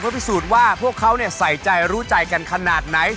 เพื่อพิสูจน์ว่าพวกเขาเนี่ยใส่ใจรู้ใจกันขนาดไหน